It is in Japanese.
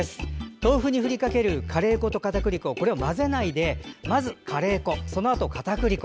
豆腐に振りかけるカレー粉とかたくり粉を混ぜないでまず、カレー粉そのあと、かたくり粉